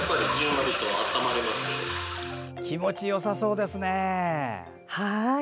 気持ちよさそうですね。